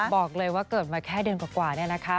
บอกเลยว่าเกิดมาแค่เดือนกว่าเนี่ยนะคะ